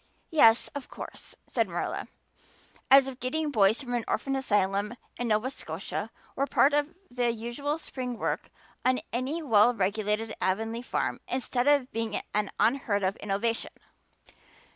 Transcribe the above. "Yes, of course," said Marilla, as if getting boys from orphan asylums in Nova Scotia were part of the usual spring work on any well regulated Avonlea farm instead of being an unheard of innovation.